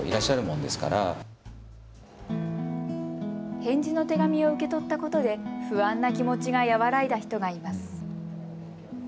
返事の手紙を受け取ったことで不安な気持ちが和らいだ人がいます。